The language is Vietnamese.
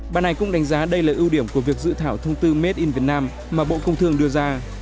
bà này cũng đánh giá đây là ưu điểm của việc dự thảo thông tư made in vietnam mà bộ công thương đưa ra